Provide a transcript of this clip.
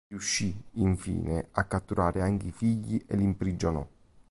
Riuscì infine a catturare anche i figli e li imprigionò.